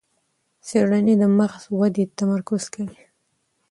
څېړنه د مغز ودې تمرکز کوي.